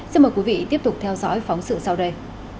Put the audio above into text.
xin mời quý vị tiếp tục theo dõi phóng sự sau đây